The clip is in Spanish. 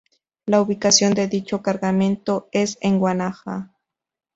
La ubicación de dicho cargamento es en Guanaja.